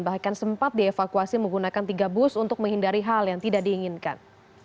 bahkan sempat dievakuasi menggunakan tiga bus untuk menghindari hal yang tidak diinginkan